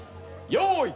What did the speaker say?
用意。